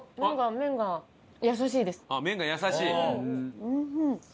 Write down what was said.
麺が優しい？